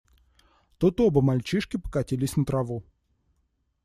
Тут оба мальчишки покатились на траву.